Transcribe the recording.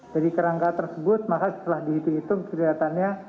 jadi kerangka tersebut maka setelah dihitung kelihatannya